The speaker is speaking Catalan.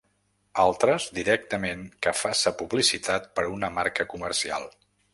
Altres, directament, que faça publicitat per a una marca comercial.